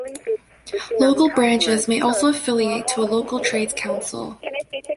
Local branches may also affiliate to a local trades council.